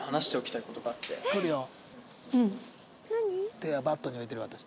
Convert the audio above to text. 手は「ＢＡＤ」に置いてる私。